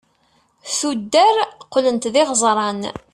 tuddar qlent d iɣeẓran